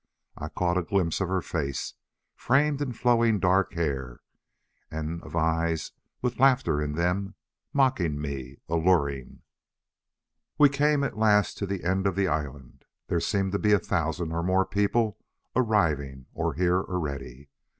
I caught a glimpse of her face, framed in flowing dark hair, and of eyes with laughter in them, mocking me, alluring. We came at last to the end of the island. There seemed to be a thousand or more people arriving, or here already.